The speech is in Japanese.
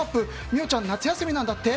美桜ちゃん夏休みなんだって。